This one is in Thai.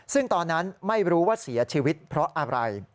ซึ่งตอนนั้นไม่รู้ว่าเสียชีวิตเพราะอะไร